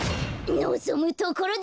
のぞむところだ！